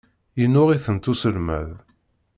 Yennuɣ-itent uselmad.